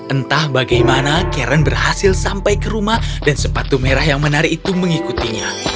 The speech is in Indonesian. entah bagaimana karen berhasil sampai ke rumah dan sepatu merah yang menarik itu mengikutinya